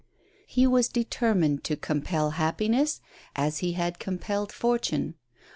lie was • determined to compel happiness, as he had compelled fortune.